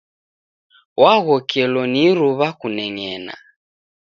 W'aghokelo ni iruw'a kuneng'ena.